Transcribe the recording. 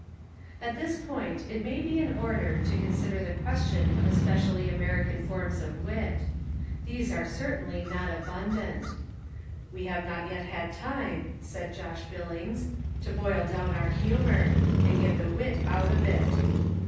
At this point It may be in order to consider the question of especially American forms of wit. These are certainly not abundant. "We have not yet had time," said Josh Billings, 131 Essays and Literary Studies "to boil down our humour, and get the wit out of it."